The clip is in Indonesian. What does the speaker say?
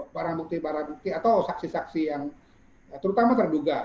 barang bukti barang bukti atau saksi saksi yang terutama terduga